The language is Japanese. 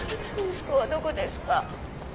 息子はどこですか？